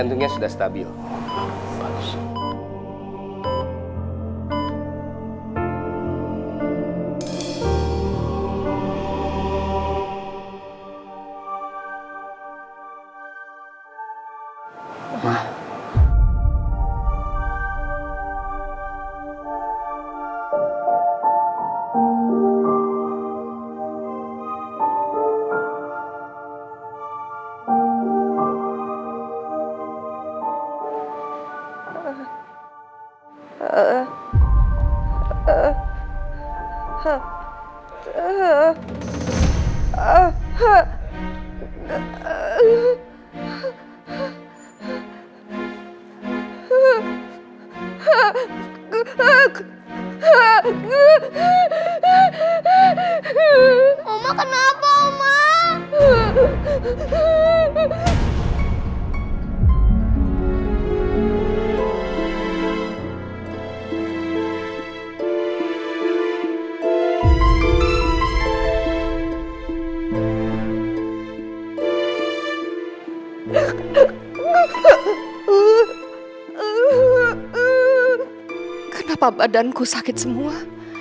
mengalami kelumpuhan di kakinya